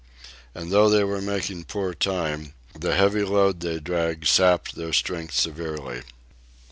And though they were making poor time, the heavy load they dragged sapped their strength severely.